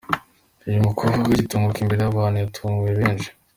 Uyu mukobwa agitunguka imbere y'abantu yatunguye benshi.